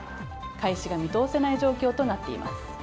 開始が見通せない状況となっています。